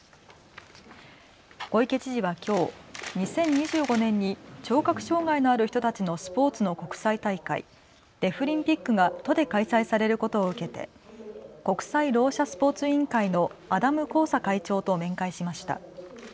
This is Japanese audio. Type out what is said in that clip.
小池知事はきょう２０２５年に聴覚障害のある人たちのスポーツの国際大会、デフリンピックが都で開催されることを受けて国際ろう者スポーツ委員会のアダム・コーサ会長と面会しました。